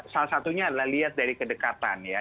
salah satunya adalah lihat dari kedekatan ya